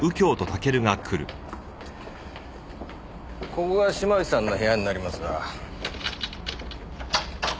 ここが島内さんの部屋になりますが。